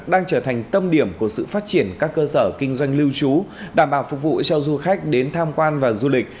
đang trở thành tâm điểm của sự phát triển các cơ sở kinh doanh lưu trú đảm bảo phục vụ cho du khách đến tham quan và du lịch